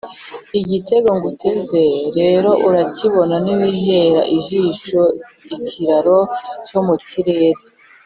Igitego nguteze rero urakibona niwihera ijisho ikiraro cyo mu kirere,